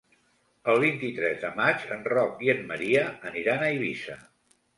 El vint-i-tres de maig en Roc i en Maria aniran a Eivissa.